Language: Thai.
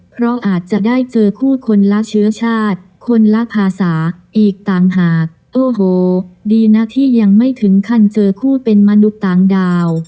เพราะอาจจะได้เจอคู่คนละเชื้อชาติคนละภาษาอีกต่างหากโอ้โหดีนะที่ยังไม่ถึงขั้นเจอคู่เป็นมนุษย์ต่างดาว